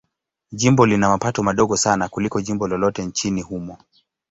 Jimbo lina mapato madogo sana kuliko jimbo lolote nchini humo.